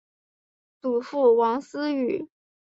祖父王思与。